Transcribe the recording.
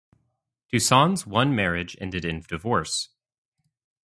Toussaint's one marriage ended in divorce.